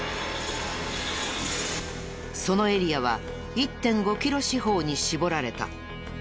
そのエリアは１．５キロ四方に絞られた。